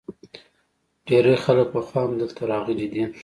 ډیری خلک پخوا هم دلته راغلي دي